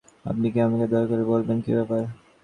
আপনি কি আমাকে দয়া করে বলবেন, কী ব্যাপার?